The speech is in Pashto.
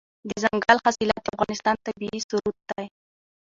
دځنګل حاصلات د افغانستان طبعي ثروت دی.